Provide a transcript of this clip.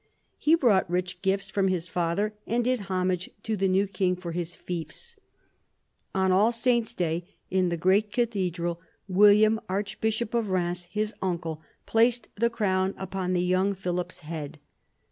He brought rich gifts from his father, and did homage to the new king for his fiefs. On All Saints' Day, in the great cathedral, William, archbishop of Rheims, his uncle, placed the crown upon the young Philip's head.